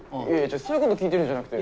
そういうこと聞いてるんじゃなくて。